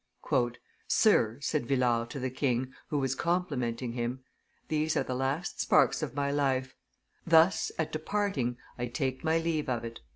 "Sir," said Villars to the king, who was complimenting him, "these are the last sparks of my life; thus, at departing, I take my leave of it."